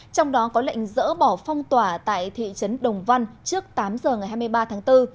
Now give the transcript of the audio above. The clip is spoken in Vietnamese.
trong đó có lệnh dỡ bỏ phong tỏa tại thị trấn đồng văn trước tám giờ ngày hai mươi ba tháng bốn